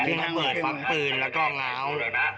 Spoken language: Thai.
เฟี่ยงระเบิดฟังปืนแล้วก็ง้าว